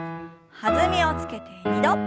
弾みをつけて２度。